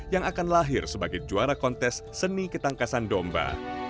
yang akan lahir sebagai juara kontes seni ketangkasan domba